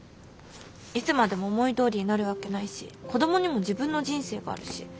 いつまでも思いどおりになるわけないし子供にも自分の人生があるし。